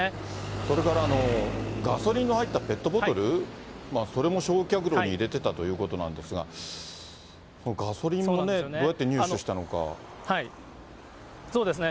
それからガソリンの入ったペットボトル、それも焼却炉に入れてたということなんですが、ガソリンもね、どうやって入手したのそうですね。